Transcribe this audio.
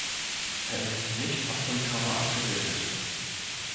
Er ist nicht auf dem Cover abgebildet.